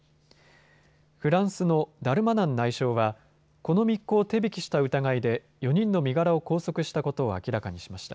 フランスのダルマナン内相はこの密航を手引きした疑いで４人の身柄を拘束したことを明らかにしました。